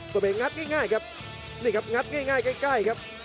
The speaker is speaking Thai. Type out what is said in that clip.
ตัวเองงัดง่ายครับนี่ครับงัดง่ายใกล้ครับ